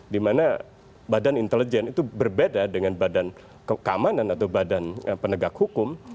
dimana badan intelijen itu berbeda dengan badan keamanan atau badan penegak hukum